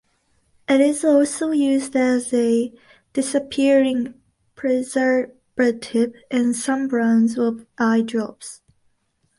It is also used as a "disappearing" preservative in some brands of eye drops.